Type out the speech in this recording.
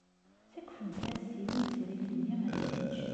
Ttakfemt-as i umesrit-nni ad yečč.